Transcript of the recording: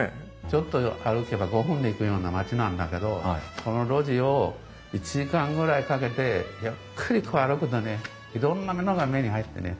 ちょっと歩けば５分で行くような町なんだけどその路地を１時間ぐらいかけてゆっくりと歩くとねいろんなものが目に入ってね。